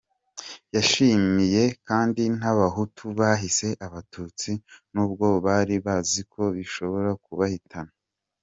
Yashimiye kandi n’Abahutu bahishe Abatutsi n’ubwo bari bazi ko bishobora kubahitana.